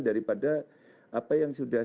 daripada apa yang sudah